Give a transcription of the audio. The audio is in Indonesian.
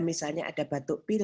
misalnya ada batuk